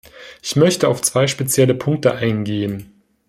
Ich möchte auf zwei spezielle Punkte eingehen.